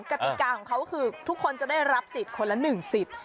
กติกาของเขาคือทุกคนจะได้รับสิทธิ์คนละหนึ่งสิทธิ์